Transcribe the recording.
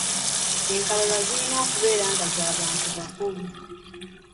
Enkalala zirina okubeera nga za bantu bakulu.